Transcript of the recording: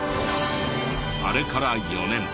あれから４年。